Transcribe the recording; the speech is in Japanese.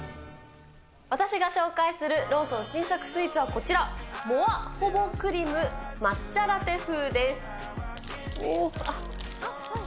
私が紹介するローソン新作スイーツはこちら、モアホボクリム抹茶ラテ風です。